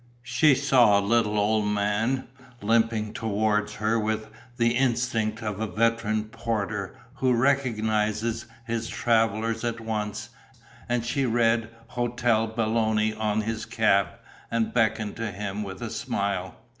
She saw a little old man limping towards her with the instinct of a veteran porter who recognizes his travellers at once; and she read "Hotel Belloni" on his cap and beckoned to him with a smile.